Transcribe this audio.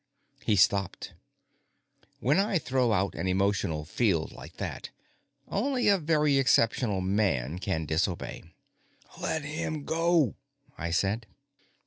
He stopped. When I throw out an emotional field like that, only a very exceptional man can disobey. "Let him go," I said.